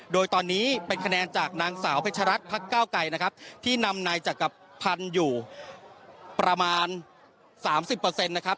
โดยตอนนี้เป็นคะแนนจากนางสาวเพชรัตนพักเก้าไกรนะครับที่นำนายจักรพันธ์อยู่ประมาณ๓๐นะครับ